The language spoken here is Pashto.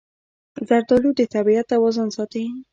زردالو د طبیعت توازن ساتي.